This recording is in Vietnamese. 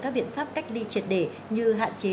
các biện pháp cách ly triệt để như hạn chế